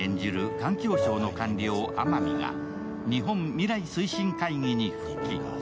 環境省の官僚、天海が日本未来推進会議に復帰。